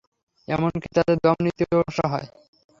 এমনকি তাঁদের দম নিতেও সমস্যা হয়।